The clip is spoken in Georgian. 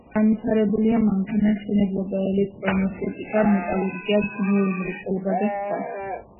განვითარებულია მანქანათმშენებლობა, ელექტროენერგეტიკა, მეტალურგია, ქიმიური მრეწველობა და სხვა.